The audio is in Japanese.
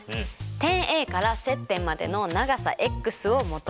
点Ａから接点までの長さｘを求めてください。